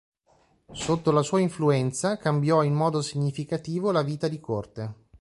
Sotto la sua influenza, cambiò in modo significativo la vita di corte.